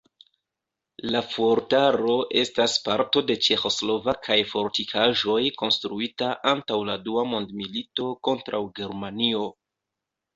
La fuortaro estas parto de ĉeĥoslovakaj fortikaĵoj konstruita antaŭ la dua mondmilito kontraŭ Germanio.